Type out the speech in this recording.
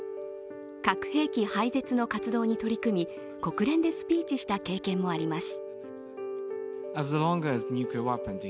核兵器廃絶の活動に取り組み、国連でスピーチした経験もあります。